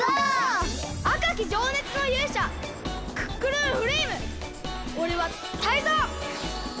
あかきじょうねつのゆうしゃクックルンフレイムおれはタイゾウ！